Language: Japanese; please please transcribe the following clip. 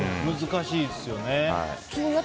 難しいですよね。